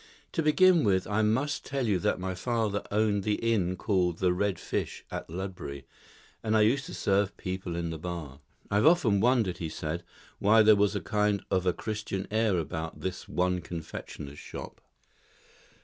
"To begin with, I must tell you that my father owned the inn called the 'Red Fish' at Ludbury, and I used to serve people in the bar." "I have often wondered," he said, "why there was a kind of a Christian air about this one confectioner's shop."